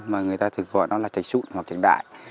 mà người ta thường gọi nó là trạch sụn hoặc trạch đại